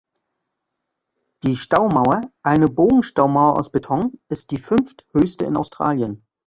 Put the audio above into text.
Die Staumauer, eine Bogenstaumauer aus Beton, ist die fünfthöchste in Australien.